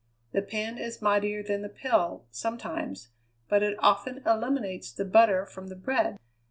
The pen is mightier than the pill, sometimes, but it often eliminates the butter from the bread."